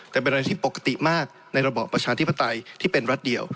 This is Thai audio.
แต่เป็นอะไรที่ปกติมากในระบอบประชาธิปไตยที่เป็นรัฐเดียว